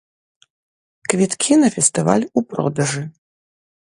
Квіткі на фестываль у продажы.